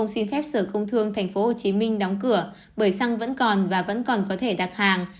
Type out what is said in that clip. xin phép sở công thương tp hcm đóng cửa bởi xăng vẫn còn và vẫn còn có thể đặt hàng